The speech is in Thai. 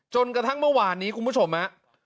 จนกระทั่งเมื่อวานนี้คุณผู้ชมฮะ